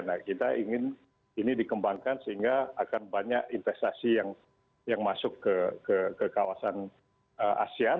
nah kita ingin ini dikembangkan sehingga akan banyak investasi yang masuk ke kawasan asean